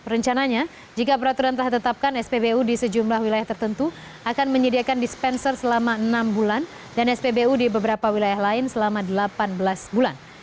rencananya jika peraturan telah ditetapkan spbu di sejumlah wilayah tertentu akan menyediakan dispenser selama enam bulan dan spbu di beberapa wilayah lain selama delapan belas bulan